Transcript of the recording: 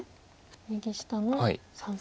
右下の３線。